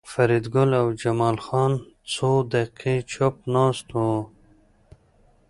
فریدګل او جمال خان څو دقیقې چوپ ناست وو